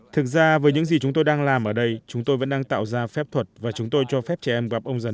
thực ra với những gì chúng tôi đang làm ở đây chúng tôi vẫn đang tạo ra phép thuật và chúng tôi cho phép trẻ em gặp ông già